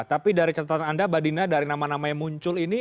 tapi dari catatan anda mbak dina dari nama nama yang muncul ini